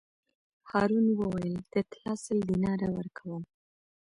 هارون وویل: د طلا سل دیناره ورکووم.